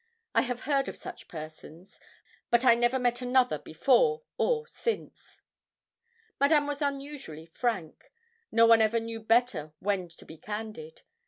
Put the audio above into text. I have heard of such persons, but I never met another before or since. Madame was unusually frank no one ever knew better when to be candid.